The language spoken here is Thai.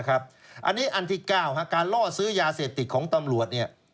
อันนี้อันที่๙การล่อซื้อยาเสพติดของตำรวจ